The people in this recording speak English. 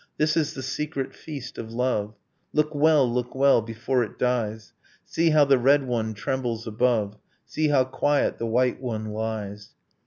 ... This is the secret feast of love, Look well, look well, before it dies, See how the red one trembles above, See how quiet the white one lies!